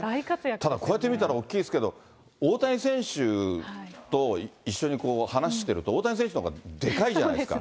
ただこうやって見たら大きいですけど、大谷選手と一緒に話してると、大谷選手のほうがでかいじゃないですか。